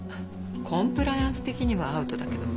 コンプライアンス的にはアウトだけど。